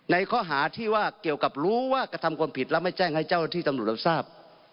ในข้อหาที่ว่าเกี่ยวกับรู้ว่ากระทำความผิดแล้วไม่แจ้งให้เจ้าหน้าที่ตำรวจเราทราบ